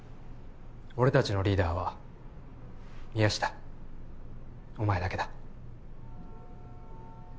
俺たちのリーダーは宮下お前だけだ。